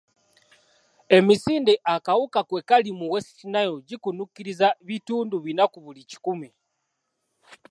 Emisinde akawuka kwe kali mu West Nile gikunukkiriza bitundu bina ku buli kikumi.